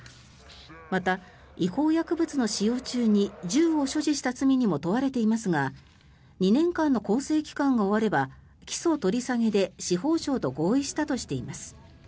また、違法薬物の使用中に銃を所持した罪にも問われていますが２年間の更生期間が終われば起訴取り下げで司法省と合意したとしています。